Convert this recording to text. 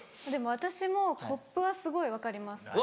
でも私もコップはすごい分かります。